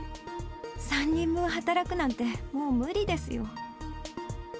３人分働くなんてもう無理ですよ。